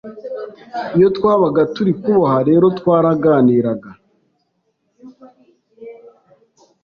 Iyo twabaga turi kuboha rero, twaraganiraga.